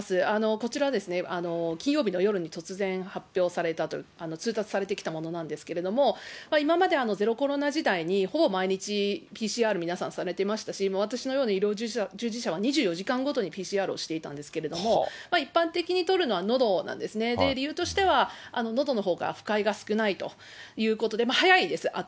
こちら、金曜日の夜に突然発表された、通達されてきたものなんですけれども、今まで、ゼロコロナ時代にほぼ毎日ＰＣＲ、皆さんされていましたし、私のような医療従事者は、２４時間ごとにＰＣＲをしていたんですけれども、一般的に採るのはのどなんですね、理由としては、のどのほうが不快が少ないということで、あと早いです、あと。